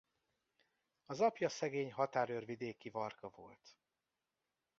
Az apja szegény határőrvidéki varga volt.